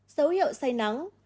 dấu hiệu say nắng